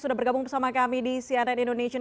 sudah bergabung bersama kami di cnn indonesian